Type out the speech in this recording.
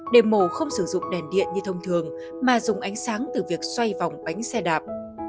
để mổ không sử dụng đèn điện như thông thường mà dùng ánh sáng từ việc xoay vòng bánh xe đạp